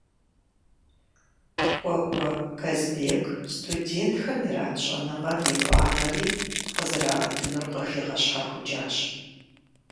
Кӏуэкӏуэ Казбек студентхэм ират щӏэныгъэм и фӏагъри къызэраӏэтынур къыхигъэщхьэхукӏащ.